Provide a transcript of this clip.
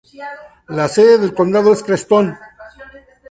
La sede del condado es Creston.